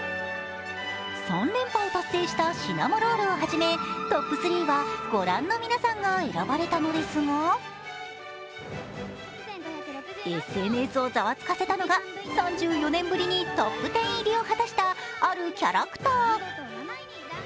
３連覇を達成したシナモロールをはじめトップ３は、御覧の皆さんが選ばれたのですがＳＮＳをざわつかせたのが３４年ぶりにトップ１０入りを果たした、あるキャラクター。